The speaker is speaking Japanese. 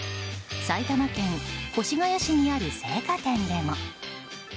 埼玉県越谷市にある青果店でも。